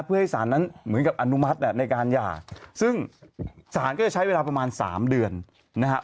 เพื่อให้สารนั้นเหมือนกับอนุมัติแหละในการหย่าซึ่งศาลก็จะใช้เวลาประมาณ๓เดือนนะฮะ